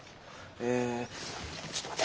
えちょっと待って。